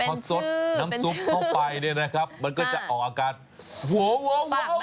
เป็นชื่อน้ำซุปเข้าไปเนี้ยนะครับมันก็จะออกอากาศหัวหัวหัวหัวหัวแบบเจ๋ออ่ะ